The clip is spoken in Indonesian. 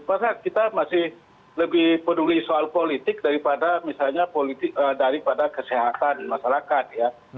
masa kita masih lebih peduli soal politik daripada misalnya daripada kesehatan masyarakat ya